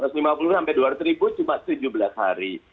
satu ratus lima puluh sampai dua ratus ribu cuma tujuh belas hari